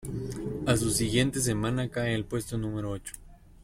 A su siguiente semana cae al puesto número ocho.